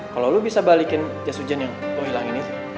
kalau lu bisa balikin jas ujan yang lu hilangin itu